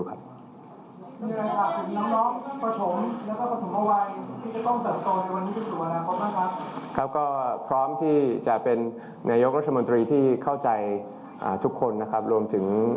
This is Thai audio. มีอะไรสักถึงหล่อประถมไว้ไปเนิ่มต้นที่จะเห็นความรับทรง